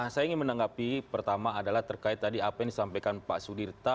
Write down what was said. saya ingin menanggapi pertama adalah terkait tadi apa yang disampaikan pak sudirta